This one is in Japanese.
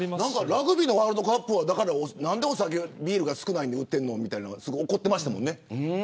ラグビーのワールドカップは何でビールが少なく売ってるのって怒ってましたもんね。